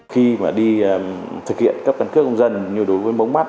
khi mà đi thực hiện cấp căn cước công dân như đối với mống mắt